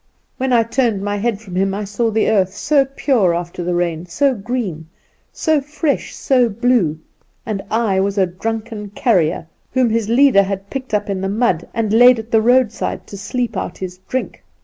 "When I turned my head from him I saw the earth, so pure after the rain, so green, so fresh, so blue; and I was a drunken carrier, whom his leader had picked up in the mud, and laid at the roadside to sleep out his drink.